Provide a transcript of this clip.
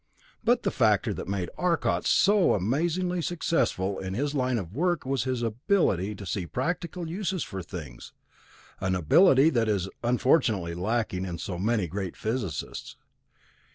But the factor that made Arcot so amazingly successful in his line of work was his ability to see practical uses for things, an ability that is unfortunately lacking in so many great physicists.